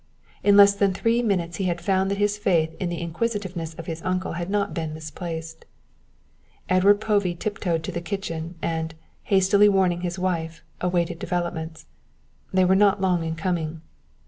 In less than three minutes he found that his faith in the inquisitiveness of his uncle had not been misplaced. Edward Povey tiptoed to the kitchen, and, hastily warning his wife, awaited developments. They were not long in coming.